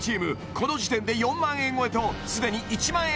この時点で４万円超えとすでに１万円